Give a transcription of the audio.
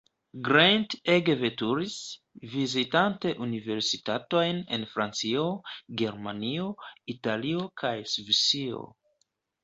Grant ege veturis, vizitante universitatojn en Francio, Germanio, Italio kaj Svisio.